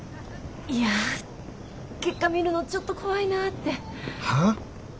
いや結果見るのちょっと怖いなって。は？